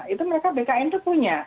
itu mereka bkn itu punya